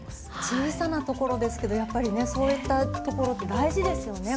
小さなところですけどやっぱりねそういったところって大事ですよね